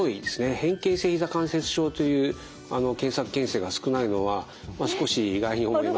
「変形性膝関節症」という検索件数が少ないのは少し意外に思いました。